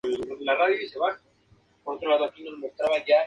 Se recoge sal en salinas de la costa sureste.